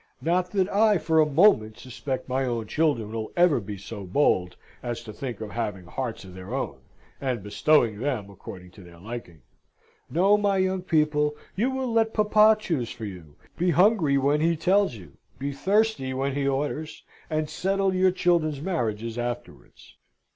Not that I for a moment suspect my own children will ever be so bold as to think of having hearts of their own, and bestowing them according to their liking. No, my young people, you will let papa choose for you; be hungry when he tells you; be thirsty when he orders; and settle your children's marriages afterwards.